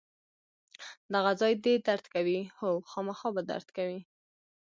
دغه ځای دې درد کوي؟ هو، خامخا به درد کوي.